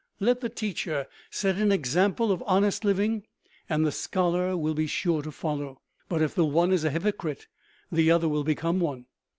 Let the teacher set an example of honest living and the scholar will be sure to follow; but if the one is a hypocrite, the other will become one.